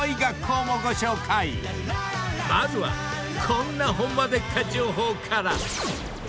［まずはこんなホンマでっか⁉情報から］